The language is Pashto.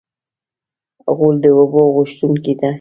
غول د اوبو غوښتونکی دی.